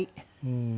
うん。